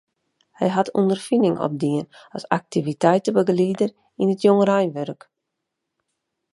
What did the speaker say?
Hy hat ûnderfining opdien as aktiviteitebegelieder yn it jongereinwurk.